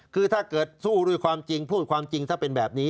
คือถ้าเกิดสู้ด้วยความจริงพูดความจริงถ้าเป็นแบบนี้